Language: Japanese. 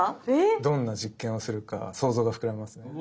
どんな実験をするか想像が膨らみますね。